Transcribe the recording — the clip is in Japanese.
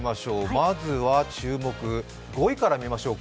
まずは注目、５位から見ましょうか。